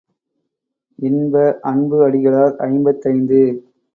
இன்ப அன்பு அடிகளார் ஐம்பத்தைந்து.